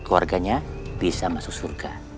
keluarganya bisa masuk surga